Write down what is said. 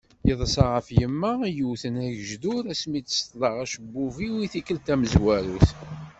Yeḍsa ɣef yemma i yewwten agejdur asmi d-ṣeṭleɣ acebbub-iw i tikkelt tamezwarut.